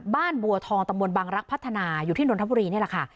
บัวทองตำบลบังรักพัฒนาอยู่ที่นนทบุรีนี่แหละค่ะ